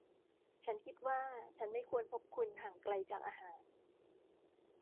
ฉันคิดว่าฉันไม่ควรพบคุณห่างไกลจากอาหาร